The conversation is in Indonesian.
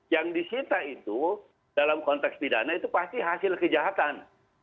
yang disita itu dalam konteks pidana itu pasti hasil kejahatan